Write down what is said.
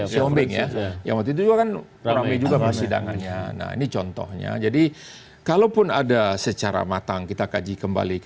siombing ya yang waktu itu juga kan ramai juga mas sidangannya nah ini contohnya jadi kalaupun ada secara matang kita kaji kembali kita duduk